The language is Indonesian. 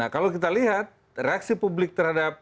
kalau kita lihat reaksi publik terhadap